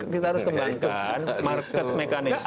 kita harus kembangkan market mechanis